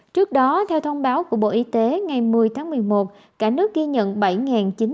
trước đó theo thông báo của bộ y tế ngày một mươi tháng một mươi một cả nước ghi nhận bảy chín trăm ba mươi ca nhiễm mới